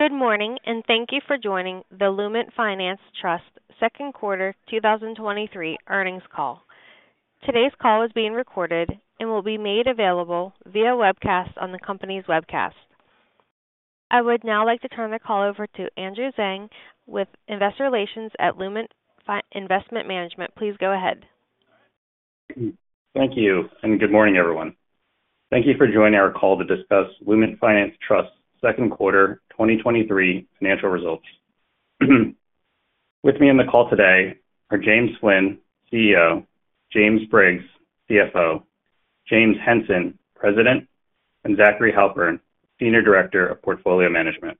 Good morning, and thank you for joining the Lument Finance Trust Q2 2023 earnings call. Today's call is being recorded and will be made available via webcast on the company's webcast. I would now like to turn the call over to Andrew Tsang with Investor Relations at Lument Investment Management. Please go ahead. Thank you, and good morning, everyone. Thank you for joining our call to discuss Lument Finance Trust's second quarter 2023 financial results. With me on the call today are James Flynn, CEO, James Briggs, CFO, James Henson, President, and Zach Halpert, Senior Director of Portfolio Management.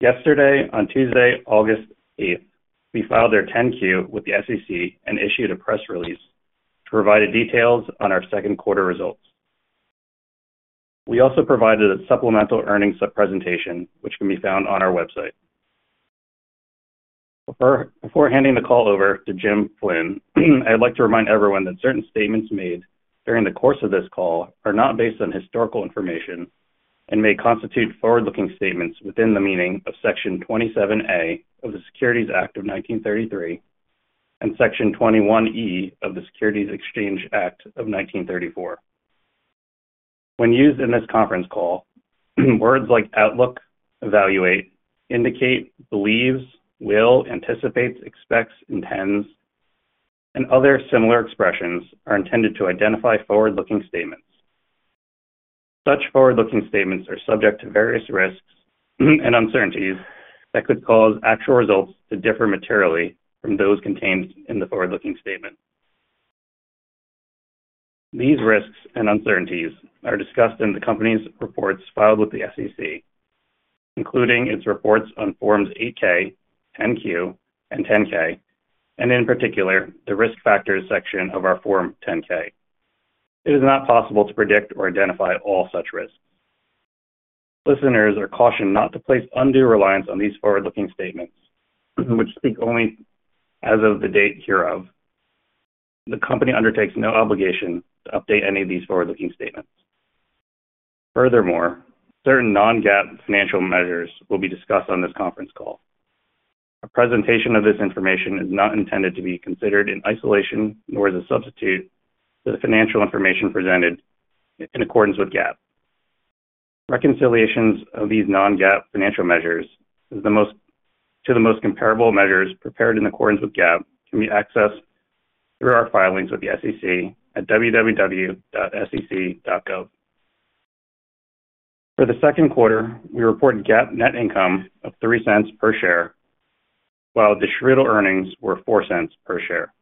Yesterday, on Tuesday, August 8th, we filed our 10-Q with the SEC and issued a press release to provide details on our second quarter results. We also provided a supplemental earnings presentation, which can be found on our website. Before handing the call over to Jim Flynn, I'd like to remind everyone that certain statements made during the course of this call are not based on historical information and may constitute forward-looking statements within the meaning of Section 27A of the Securities Act of 1933 and Section 21E of the Securities Exchange Act of 1934. When used in this conference call, words like outlook, evaluate, indicate, believes, will, anticipates, expects, intends, and other similar expressions are intended to identify forward-looking statements. Such forward-looking statements are subject to various risks and uncertainties that could cause actual results to differ materially from those contained in the forward-looking statement. These risks and uncertainties are discussed in the company's reports filed with the SEC, including its reports on Forms 8-K, 10-Q, and 10-K, and in particular, the Risk Factors section of our Form 10-K. It is not possible to predict or identify all such risks. Listeners are cautioned not to place undue reliance on these forward-looking statements, which speak only as of the date hereof. The company undertakes no obligation to update any of these forward-looking statements. Furthermore, certain non-GAAP financial measures will be discussed on this conference call. A presentation of this information is not intended to be considered in isolation, nor as a substitute for the financial information presented in accordance with GAAP. Reconciliations of these non-GAAP financial measures to the most comparable measures prepared in accordance with GAAP, can be accessed through our filings with the SEC at www.sec.gov. For the second quarter, we reported GAAP net income of $0.03 per share, while Distributable Earnings were $0.04 per share.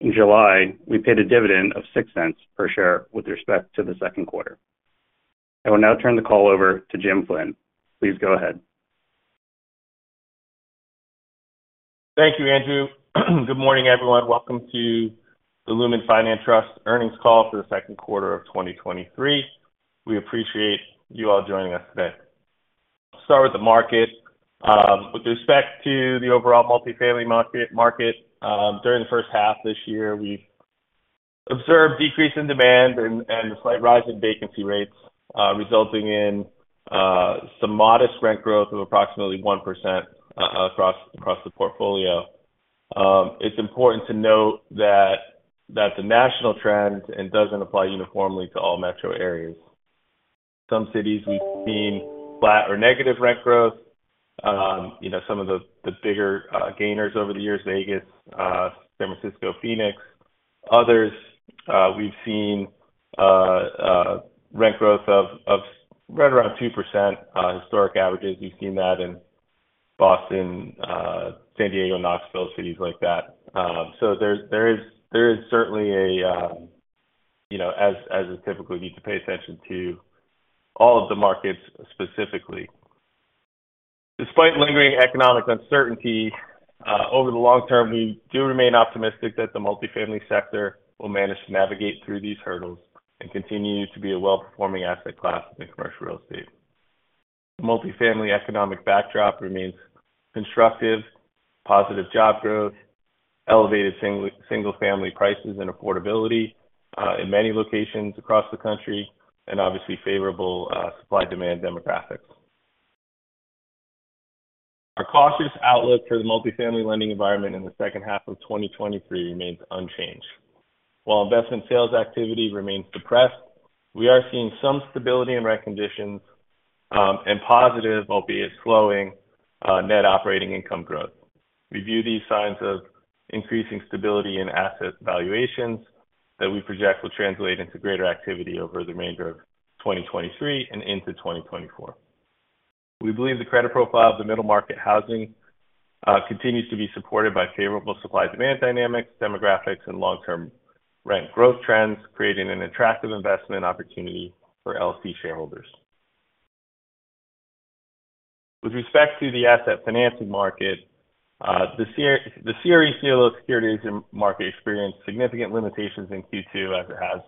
In July, we paid a dividend of $0.06 per share with respect to the second quarter. I will now turn the call over to Jim Flynn. Please go ahead. Thank you, Andrew. Good morning, everyone. Welcome to the Lument Finance Trust earnings call for the second quarter of 2023. We appreciate you all joining us today. Start with the market. With respect to the overall multifamily market, market, during the first half this year, we've observed decrease in demand and, and a slight rise in vacancy rates, resulting in some modest rent growth of approximately 1% a-across, across the portfolio. It's important to note that, that's a national trend and doesn't apply uniformly to all metro areas. Some cities we've seen flat or negative rent growth. You know, some of the, the bigger gainers over the years, Vegas, San Francisco, Phoenix. Others, we've seen rent growth of right around 2%, historic averages. We've seen that in Boston, San Diego, Knoxville, cities like that. There's, there is, there is certainly a, you know, as, as is typical, we need to pay attention to all of the markets, specifically. Despite lingering economic uncertainty, over the long term, we do remain optimistic that the multifamily sector will manage to navigate through these hurdles and continue to be a well-performing asset class in commercial real estate. Multifamily economic backdrop remains constructive, positive job growth, elevated single, single-family prices and affordability, in many locations across the country, and obviously favorable, supply-demand demographics. Our cautious outlook for the multifamily lending environment in the second half of 2023 remains unchanged. While investment sales activity remains suppressed, we are seeing some stability in rent conditions, and positive, albeit slowing, net operating income growth. We view these signs of increasing stability in asset valuations that we project will translate into greater activity over the remainder of 2023 and into 2024. We believe the credit profile of the middle-market housing continues to be supported by favorable supply-demand dynamics, demographics, and long-term rent growth trends, creating an attractive investment opportunity for LFT shareholders. With respect to the asset financing market, the CRE CLO securities market experienced significant limitations in Q2, as it has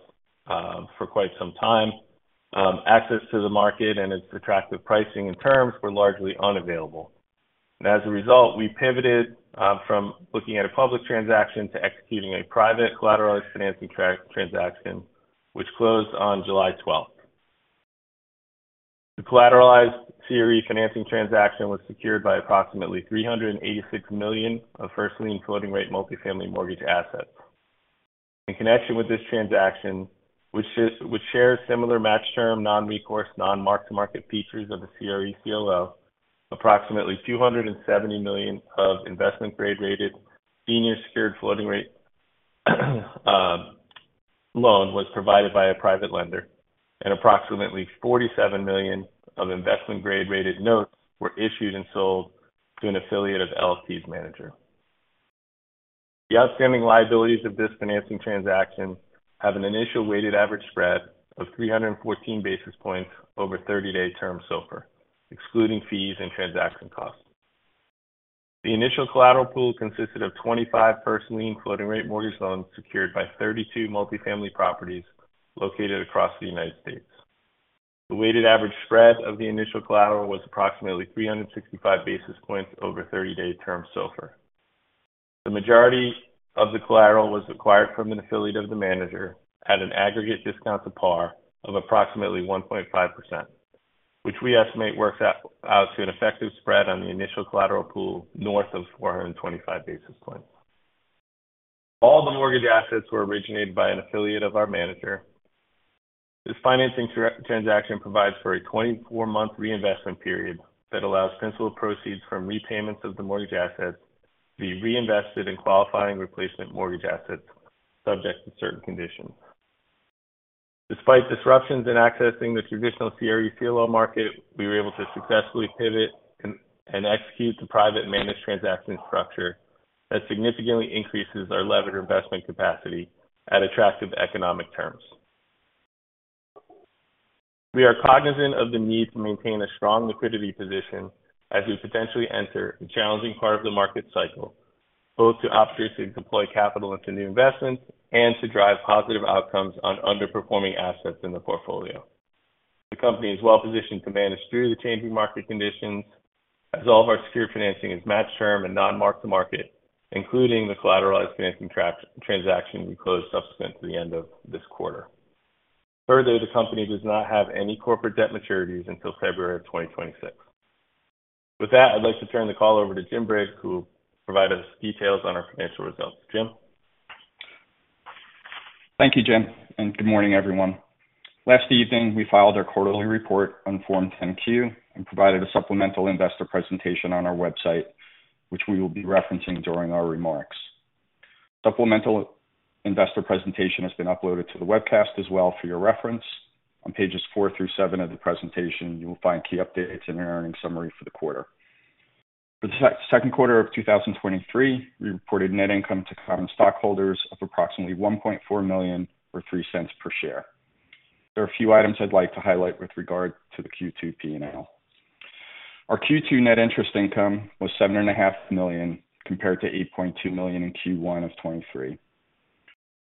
for quite some time. Access to the market and its attractive pricing and terms were largely unavailable. As a result, we pivoted from looking at a public transaction to executing a private collateralized financing transaction, which closed on July 12th. The collateralized CRE financing transaction was secured by approximately $386 million of first lien floating rate multifamily mortgage assets. In connection with this transaction, which shares similar matched-term, non-recourse, non-mark-to-market features of the CRE CLO, approximately $270 million of investment grade rated senior secured floating rate loan was provided by a private lender, and approximately $47 million of investment grade rated notes were issued and sold to an affiliate of LFT's manager. The outstanding liabilities of this financing transaction have an initial weighted average spread of 314 basis points over 30-day term SOFR, excluding fees and transaction costs. The initial collateral pool consisted of 25 first lien floating rate mortgage loans, secured by 32 multifamily properties located across the United States. The weighted average spread of the initial collateral was approximately 365 basis points over 30-day term SOFR. The majority of the collateral was acquired from an affiliate of the manager at an aggregate discount to par of approximately 1.5%, which we estimate works out to an effective spread on the initial collateral pool north of 425 basis points. All the mortgage assets were originated by an affiliate of our manager. This financing transaction provides for a 24-month reinvestment period that allows principal proceeds from repayments of the mortgage assets to be reinvested in qualifying replacement mortgage assets, subject to certain conditions. Despite disruptions in accessing the traditional CRE CLO market, we were able to successfully pivot and execute the private managed transaction structure that significantly increases our levered investment capacity at attractive economic terms. We are cognizant of the need to maintain a strong liquidity position as we potentially enter a challenging part of the market cycle, both to opportunistically deploy capital into new investments and to drive positive outcomes on underperforming assets in the portfolio. The company is well positioned to manage through the changing market conditions, as all of our secured financing is matched-term and non-mark-to-market, including the collateralized financing transaction we closed subsequent to the end of this quarter. Further, the company does not have any corporate debt maturities until February of 2026. With that, I'd like to turn the call over to Jim Briggs, who will provide us details on our financial results. Jim? Thank you, Jim, and good morning, everyone. Last evening, we filed our quarterly report on Form 10-Q and provided a supplemental investor presentation on our website, which we will be referencing during our remarks. Supplemental investor presentation has been uploaded to the webcast as well for your reference. On pages 4 through 7 of the presentation, you will find key updates and an earnings summary for the quarter. For the second quarter of 2023, we reported net income to common stockholders of approximately $1.4 million, or $0.03 per share. There are a few items I'd like to highlight with regard to the Q2 PNL. Our Q2 net interest income was $7.5 million, compared to $8.2 million in Q1 of 2023.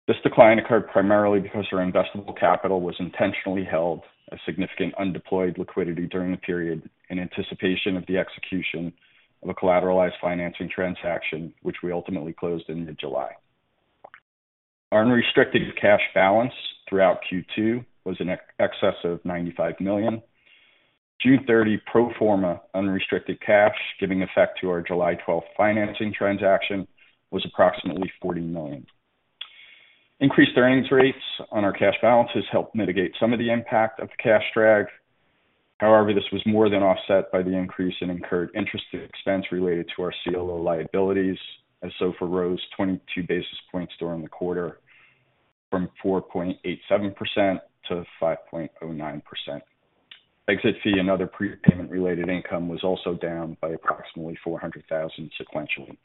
This decline occurred primarily because our investable capital was intentionally held as significant undeployed liquidity during the period, in anticipation of the execution of a collateralized financing transaction, which we ultimately closed in mid-July. Our unrestricted cash balance throughout Q2 was in excess of $95 million. June 30 pro forma unrestricted cash, giving effect to our July 12th financing transaction, was approximately $40 million. Increased earnings rates on our cash balances helped mitigate some of the impact of the cash drag. However, this was more than offset by the increase in incurred interest expense related to our CLO liabilities, as SOFR rose 22 basis points during the quarter from 4.87% to 5.09%. Exit fee and other prepayment-related income was also down by approximately $400,000 sequentially.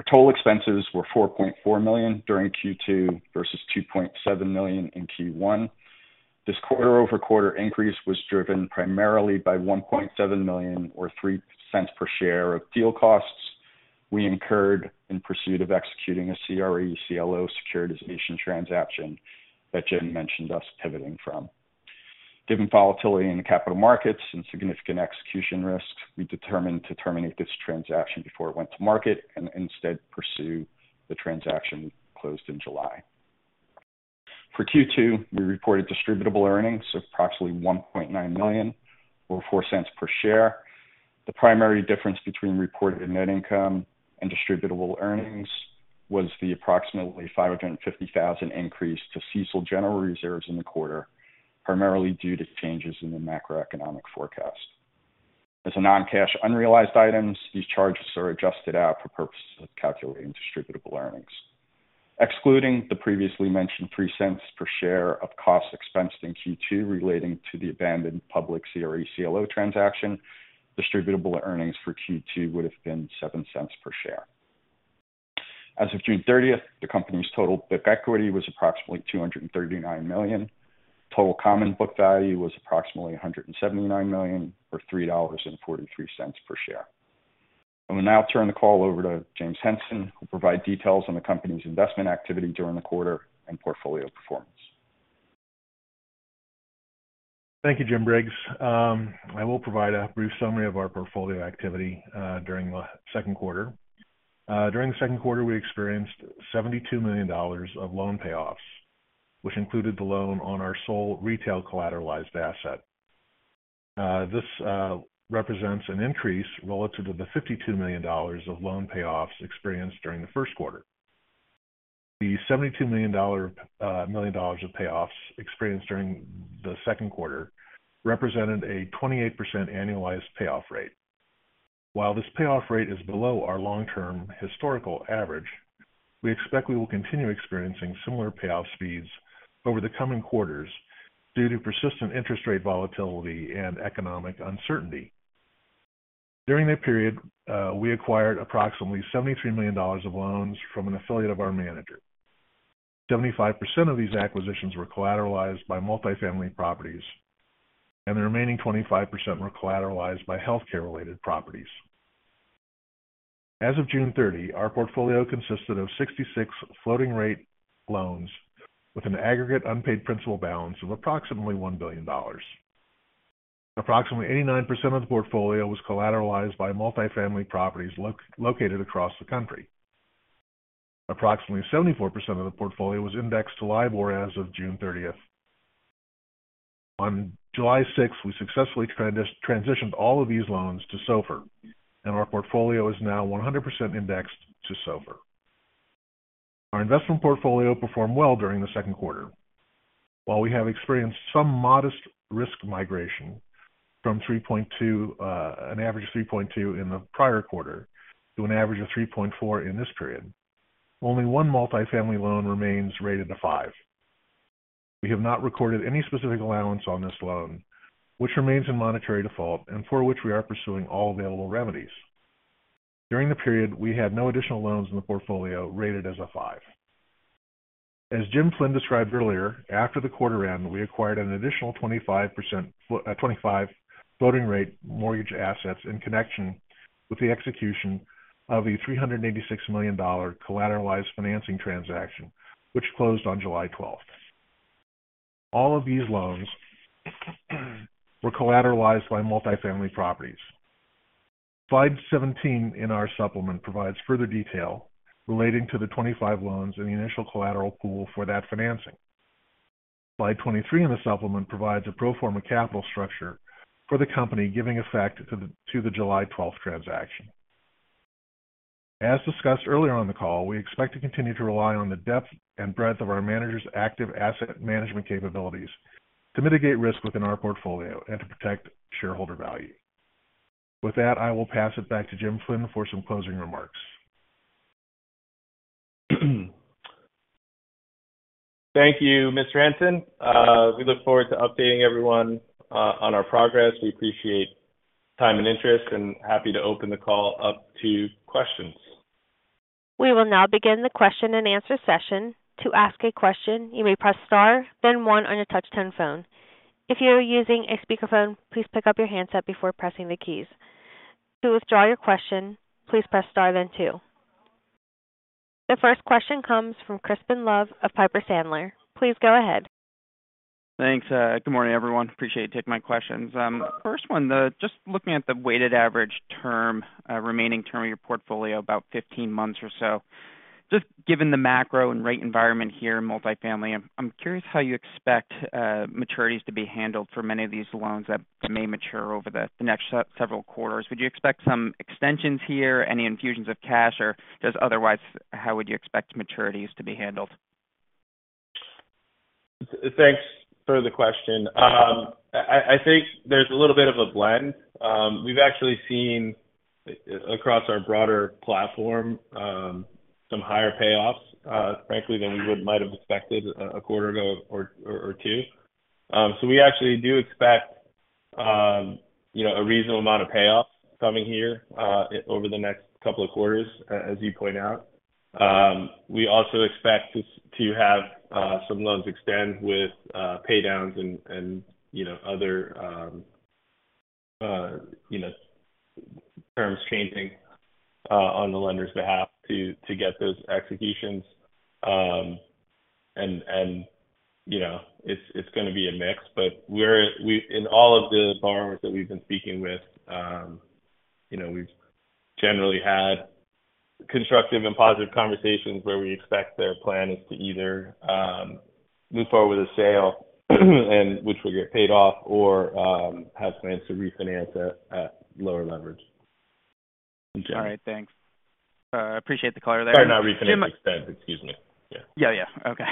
Our total expenses were $4.4 million during Q2 versus $2.7 million in Q1. This quarter-over-quarter increase was driven primarily by $1.7 million, or $0.03 per share of deal costs we incurred in pursuit of executing a CRE CLO securitization transaction that Jim mentioned us pivoting from. Given volatility in the capital markets and significant execution risks, we determined to terminate this transaction before it went to market and instead pursue the transaction closed in July. For Q2, we reported Distributable Earnings of approximately $1.9 million, or $0.04 per share. The primary difference between reported net income and Distributable Earnings was the approximately $550,000 increase to CECL general reserves in the quarter, primarily due to changes in the macroeconomic forecast. As a non-cash unrealized items, these charges are adjusted out for purposes of calculating distributable earnings. Excluding the previously mentioned $0.03 per share of costs expensed in Q2 relating to the abandoned public CRE CLO transaction, distributable earnings for Q2 would have been $0.07 per share. As of June 30th, the company's total book equity was approximately $239 million. Total common book value was approximately $179 million, or $3.43 per share. I will now turn the call over to James Henson, who will provide details on the company's investment activity during the quarter and portfolio performance. ...Thank you, Jim Briggs. I will provide a brief summary of our portfolio activity during the second quarter. During the second quarter, we experienced $72 million of loan payoffs, which included the loan on our sole retail collateralized asset. This represents an increase relative to the $52 million of loan payoffs experienced during the first quarter. The $72 million of payoffs experienced during the second quarter represented a 28% annualized payoff rate. While this payoff rate is below our long-term historical average, we expect we will continue experiencing similar payoff speeds over the coming quarters due to persistent interest rate volatility and economic uncertainty. During that period, we acquired approximately $73 million of loans from an affiliate of our manager. 75% of these acquisitions were collateralized by multifamily properties, and the remaining 25% were collateralized by healthcare-related properties. As of June 30, our portfolio consisted of 66 floating rate loans with an aggregate unpaid principal balance of approximately $1 billion. Approximately 89% of the portfolio was collateralized by multifamily properties located across the country. Approximately 74% of the portfolio was indexed to LIBOR as of June 30th. On July 6th, we successfully transitioned all of these loans to SOFR, and our portfolio is now 100% indexed to SOFR. Our investment portfolio performed well during the second quarter. While we have experienced some modest risk migration from 3.2, an average of 3.2 in the prior quarter, to an average of 3.4 in this period, only one multifamily loan remains rated a five. We have not recorded any specific allowance on this loan, which remains in monetary default and for which we are pursuing all available remedies. During the period, we had no additional loans in the portfolio rated as a five. As Jim Flynn described earlier, after the quarter end, we acquired an additional 25 floating rate mortgage assets in connection with the execution of a $386 million collateralized financing transaction, which closed on July twelfth. All of these loans, were collateralized by multifamily properties. Slide 17 in our supplement provides further detail relating to the 25 loans and the initial collateral pool for that financing. Slide 23 in the supplement provides a pro forma capital structure for the company, giving effect to the July twelfth transaction. As discussed earlier on the call, we expect to continue to rely on the depth and breadth of our managers' active asset management capabilities to mitigate risk within our portfolio and to protect shareholder value. With that, I will pass it back to Jim Flynn for some closing remarks. Thank you, Mr. Henson. We look forward to updating everyone on our progress. We appreciate time and interest, and happy to open the call up to questions. We will now begin the question and answer session. To ask a question, you may press Star, then one on your touch tone phone. If you are using a speakerphone, please pick up your handset before pressing the keys. To withdraw your question, please press Star, then two. The first question comes from Crispin Love of Piper Sandler. Please go ahead. Thanks. Good morning, everyone. Appreciate you taking my questions. First one, just looking at the weighted average term, remaining term of your portfolio, about 15 months or so. Just given the macro and rate environment here in multifamily, I'm, I'm curious how you expect maturities to be handled for many of these loans that, that may mature over the several quarters. Would you expect some extensions here, any infusions of cash, or just otherwise, how would you expect maturities to be handled? Thanks for the question. I, I, I think there's a little bit of a blend. We've actually seen, across our broader platform, some higher payoffs, frankly, than we would, might have expected a quarter ago or two. We actually do expect, you know, a reasonable amount of payoffs coming here, over the next couple of quarters, as you point out. We also expect to, to have, some loans extend with, pay downs and, and, you know, other, you know, terms changing, on the lender's behalf to, to get those executions. And, you know, it's, it's gonna be a mix, but we're in all of the borrowers that we've been speaking with, you know, we've generally had constructive and positive conversations where we expect their plan is to either move forward with a sale, and which will get paid off or have plans to refinance at, at lower leverage. All right, thanks. I appreciate the color there. Sorry, not refinance, extend. Excuse me. Yeah. Yeah, yeah. Okay.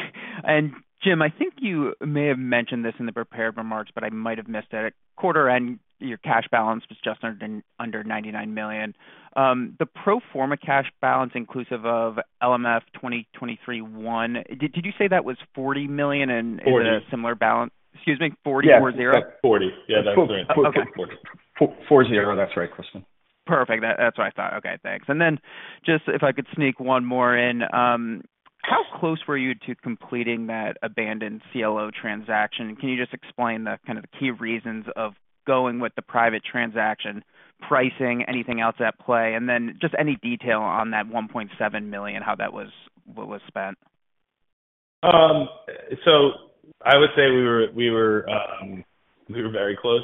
Jim, I think you may have mentioned this in the prepared remarks, but I might have missed it. At quarter end, your cash balance was just under $99 million. The pro forma cash balance, inclusive of LMF 2023-1, did, did you say that was $40 million? Forty. Is it a similar balance? Excuse me, 40? Yes, 40. Yeah, that's right. Okay. 40. That's right, Crispin. Perfect. That, that's what I thought. Okay, thanks. Then, just if I could sneak one more in, how close were you to completing that abandoned CLO transaction? Can you just explain the kind of the key reasons of going with the private transaction, pricing, anything else at play? Then just any detail on that $1.7 million, how that was - what was spent?... I would say we were, we were, we were very close.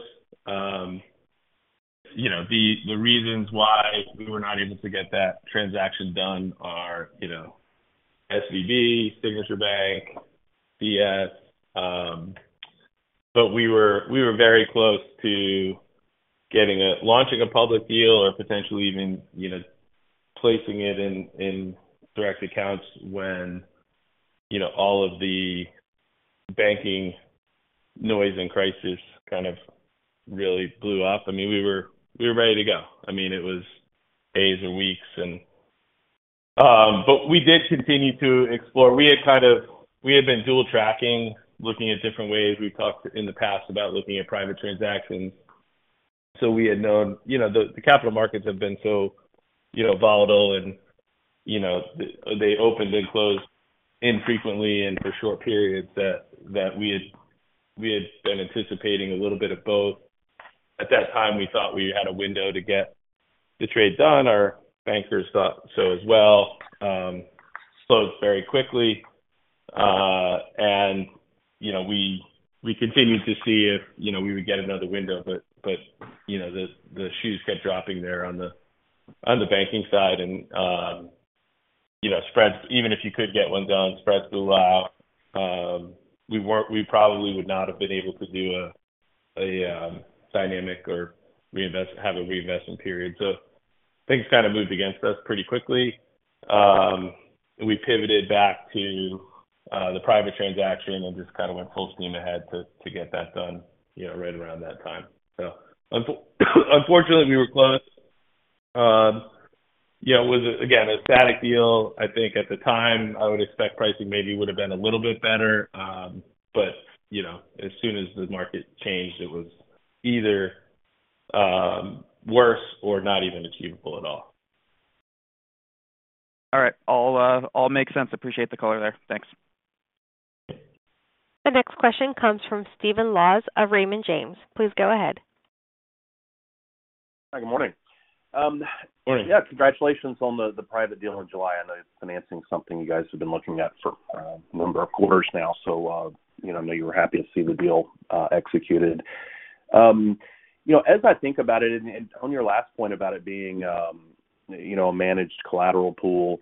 You know, the, the reasons why we were not able to get that transaction done are, you know, SVB, Signature Bank, BS. We were, we were very close to getting a launching a public deal or potentially even, you know, placing it in, in direct accounts when, you know, all of the banking noise and crisis kind of really blew up. I mean, we were, we were ready to go. I mean, it was days or weeks, and. We did continue to explore. We had kind of we had been dual tracking, looking at different ways. We've talked in the past about looking at private transactions. We had known, you know, the, the capital markets have been so, you know, volatile and, you know, they opened and closed infrequently and for short periods, that, that we had, we had been anticipating a little bit of both. At that time, we thought we had a window to get the trade done. Our bankers thought so as well. Closed very quickly. We, you know, we continued to see if, you know, we would get another window, but, but, you know, the, the shoes kept dropping there on the, on the banking side. You know, spreads, even if you could get one done, spreads blew out. We weren't, we probably would not have been able to do a, a, dynamic or reinvest, have a reinvestment period. Things kind of moved against us pretty quickly. We pivoted back to the private transaction and just kind of went full steam ahead to, to get that done, you know, right around that time. Unfortunately, we were close. You know, it was, again, a static deal. I think at the time, I would expect pricing maybe would have been a little bit better. You know, as soon as the market changed, it was either worse or not even achievable at all. All right. All makes sense. Appreciate the color there. Thanks. The next question comes from Stephen Laws of Raymond James. Please go ahead. Hi, good morning. Morning. Yeah, congratulations on the private deal in July. I know it's financing something you guys have been looking at for a number of quarters now, so, you know, I know you were happy to see the deal executed. You know, as I think about it, and on your last point about it being, you know, a managed collateral pool,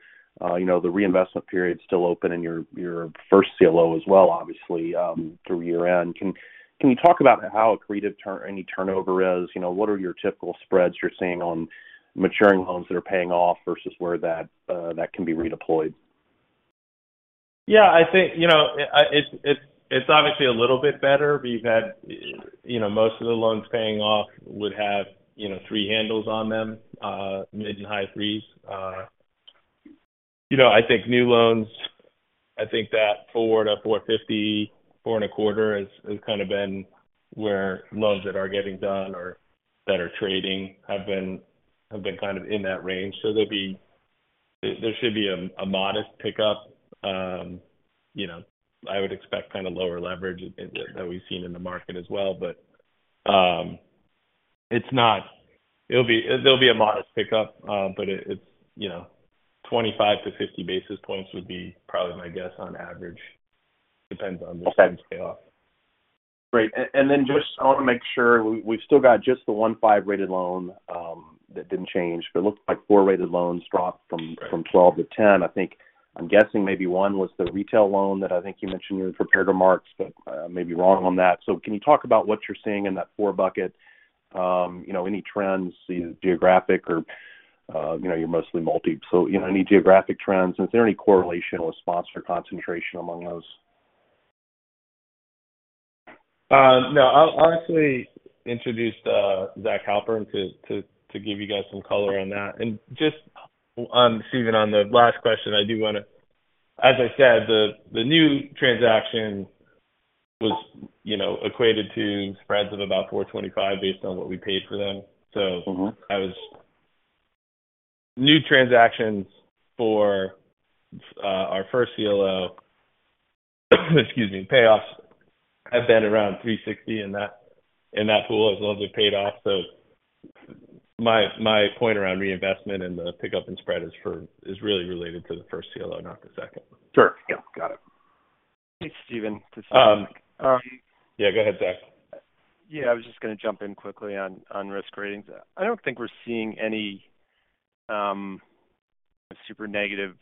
you know, the reinvestment period is still open in your first CLO as well, obviously, through year-end. Can you talk about how accretive any turnover is? You know, what are your typical spreads you're seeing on maturing loans that are paying off versus where that can be redeployed? Yeah, I think, you know, it's obviously a little bit better. We've had, you know, most of the loans paying off would have, you know, 3 handles on them, mid and high 3s. You know, I think new loans, I think that 4 to 4.50, 4.25 has, has kind of been where loans that are getting done or that are trading have been, have been kind of in that range. There should be a modest pickup. You know, I would expect kind of lower leverage that we've seen in the market as well. But, it's not. It'll be a modest pickup, but it's, you know, 25 to 50 basis points would be probably my guess on average. Depends on the payoff. Great. Then just I want to make sure we, we've still got just the one 5-rated loan, that didn't change, but it looks like 4-rated loans dropped. Right. -from 12 to 10. I think I'm guessing maybe one was the retail loan that I think you mentioned in your prepared remarks, but I may be wrong on that. Can you talk about what you're seeing in that four bucket? You know, any trends, geographic or, you know, you're mostly multi, so, you know, any geographic trends, and is there any correlation with sponsor concentration among those? No. I'll actually introduce Zach Halpert to, to, to give you guys some color on that. Just on, Stephen, on the last question, I do want to-- As I said, the, the new transaction was, you know, equated to spreads of about 425 based on what we paid for them. Mm-hmm. I was-- New transactions for our first CLO, excuse me, payoffs have been around $360 million in that, in that pool as loans are paid off. My, my point around reinvestment and the pickup in spread is for-- is really related to the first CLO, not the second. Sure. Yeah, got it. Hey, Stephen, this is Zach. Yeah, go ahead, Zach. Yeah, I was just going to jump in quickly on, on risk ratings. I don't think we're seeing any super negative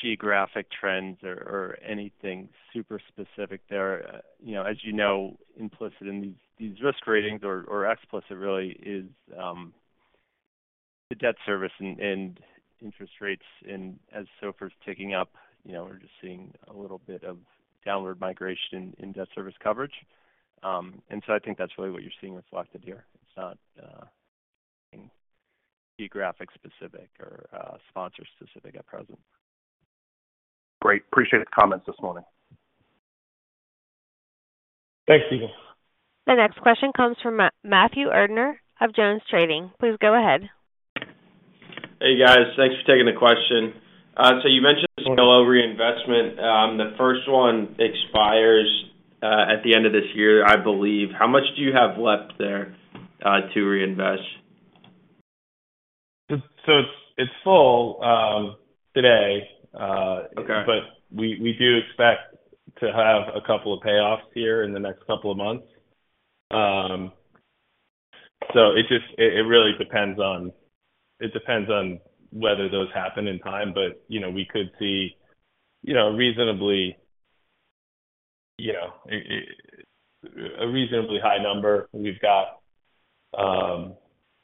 geographic trends or anything super specific there. You know, as you know, implicit in these, these risk ratings or explicit, really, is the debt service and interest rates. As SOFR is ticking up, you know, we're just seeing a little bit of downward migration in debt service coverage. So I think that's really what you're seeing reflected here. It's not geographic specific or sponsor specific at present. Great. Appreciate the comments this morning. Thanks, Stephen. The next question comes from Matthew Erdner of JonesTrading. Please go ahead. Hey, guys. Thanks for taking the question. You mentioned CLO reinvestment. The first one expires at the end of this year, I believe. How much do you have left there to reinvest? It's, it's full, today. Okay. We, we do expect to have a couple of payoffs here in the next couple of months. It just, it, it really depends on-- it depends on whether those happen in time. You know, we could see, you know, reasonably, you know, a, a, a reasonably high number. We've got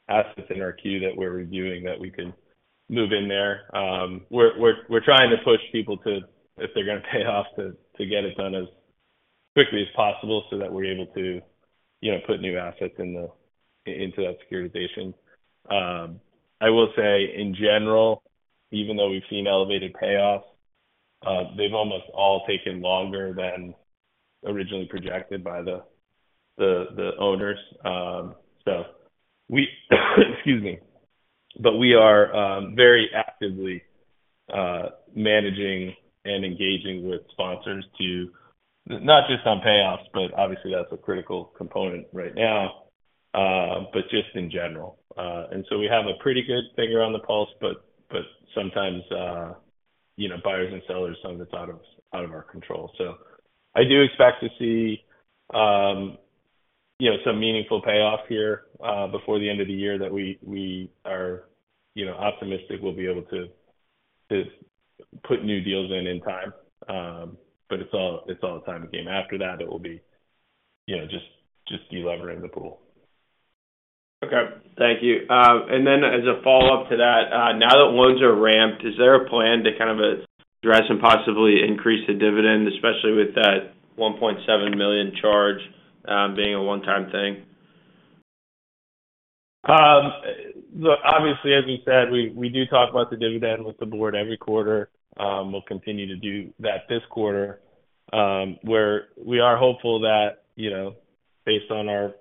assets in our queue that we're reviewing that we can move in there. We're, we're, we're trying to push people to, if they're going to pay off, to, to get it done as quickly as possible so that we're able to, you know, put new assets in the, into that securitization. I will say, in general, even though we've seen elevated payoffs, they've almost all taken longer than originally projected by the, the, the owners. We, excuse me, but we are very actively managing and engaging with sponsors to... Not just on payoffs, but obviously that's a critical component right now, but just in general. We have a pretty good finger on the pulse, but, but sometimes, you know, buyers and sellers, some of it's out of, out of our control. I do expect to see, you know, some meaningful payoff here, before the end of the year, that we, we are, you know, optimistic we'll be able to, to put new deals in in time. It's all, it's all a time game. After that, it will be, you know, just, just deleveraging the pool. Okay, thank you. Then as a follow-up to that, now that loans are ramped, is there a plan to kind of address and possibly increase the dividend, especially with that $1.7 million charge, being a one-time thing? Look, obviously, as we said, we, we do talk about the dividend with the board every quarter. We'll continue to do that this quarter, where we are hopeful that, you know, based on our,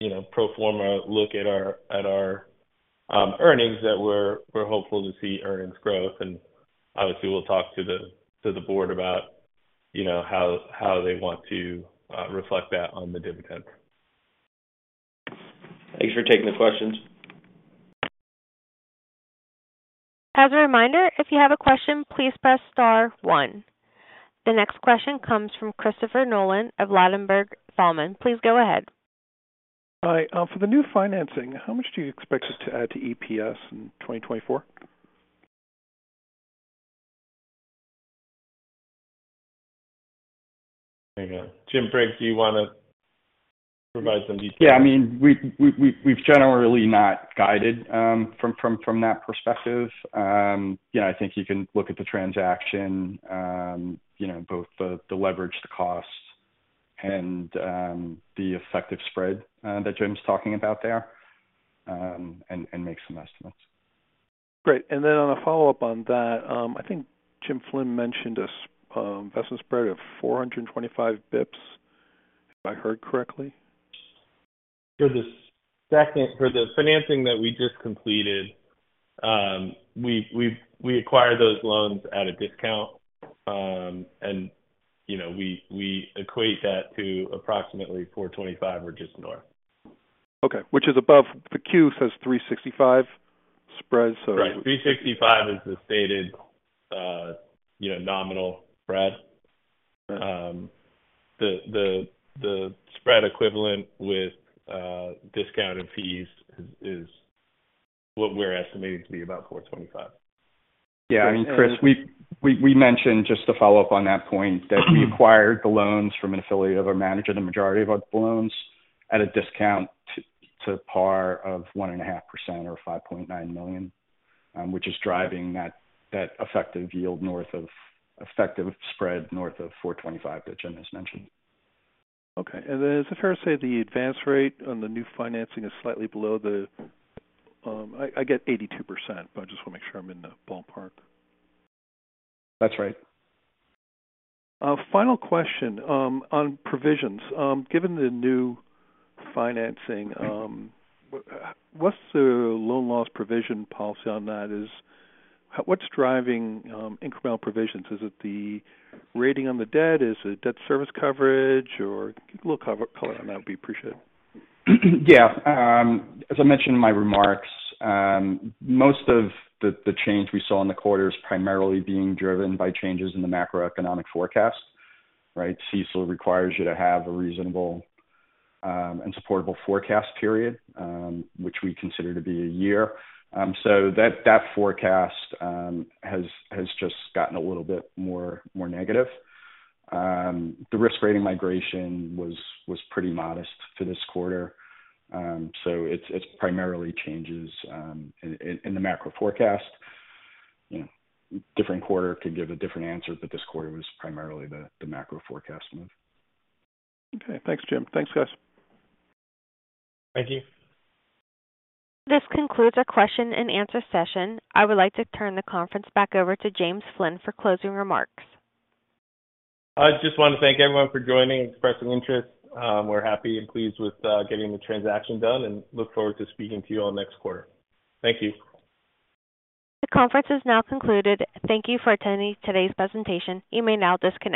you know, pro forma look at our, at our earnings, that we're, we're hopeful to see earnings growth. Obviously, we'll talk to the, to the board about, you know, how, how they want to reflect that on the dividend. Thanks for taking the questions. As a reminder, if you have a question, please press star one. The next question comes from Christopher Nolan of Ladenburg Thalmann. Please go ahead. Hi. For the new financing, how much do you expect this to add to EPS in 2024? Hang on. Jim Briggs, do you wanna provide some details? Yeah, I mean, we've, we've, we've generally not guided, from, from, from that perspective. You know, I think you can look at the transaction, you know, both the, the leverage, the costs, and, the effective spread, that Jim's talking about there, and, and make some estimates. Great. Then on a follow-up on that, I think Jim Flynn mentioned an investment spread of 425 basis points. If I heard correctly? For the financing that we just completed, we've, we acquired those loans at a discount. You know, we equate that to approximately 425 or just north. Okay, which is above... The Q says 365 spread, so- Right. 365 is the stated, you know, nominal spread. Right. The, the, the spread equivalent with discounted fees is, is what we're estimating to be about 425. Yeah, I mean, Chris, we, we, we mentioned, just to follow up on that point, that we acquired the loans from an affiliate of our manager, the majority of our loans, at a discount to, to par of 1.5% or $5.9 million, which is driving that effective spread north of 4.25%, that Jim just mentioned. Okay. Is it fair to say the advance rate on the new financing is slightly below the. I, I get 82%, but I just want to make sure I'm in the ballpark. That's right. Final question, on provisions. Given the new financing, what's the loan loss provision policy on that is? What's driving incremental provisions? Is it the rating on the debt? Is it debt service coverage, or...? A little color on that would be appreciated. As I mentioned in my remarks, most of the, the change we saw in the quarter is primarily being driven by changes in the macroeconomic forecast, right? CECL requires you to have a reasonable, and supportable forecast period, which we consider to be a year. So that, that forecast, has, has just gotten a little bit more, more negative. The risk rating migration was, was pretty modest for this quarter. So it's, it's primarily changes, in, in, in the macro forecast. You know, different quarter could give a different answer, but this quarter was primarily the, the macro forecast move. Okay. Thanks, Jim. Thanks, guys. Thank you. This concludes our question and answer session. I would like to turn the conference back over to James Flynn for closing remarks. I just want to thank everyone for joining, expressing interest. We're happy and pleased with, getting the transaction done, and look forward to speaking to you all next quarter. Thank you. The conference is now concluded. Thank you for attending today's presentation. You may now disconnect.